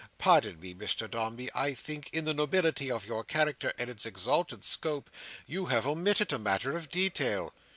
Pardon me, Mr Dombey, I think, in the nobility of your character, and its exalted scope, you have omitted a matter of detail."